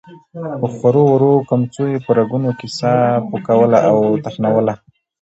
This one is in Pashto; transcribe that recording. په خورو ورو کمڅو يې په رګونو کې ساه پوکوله او تخنوله.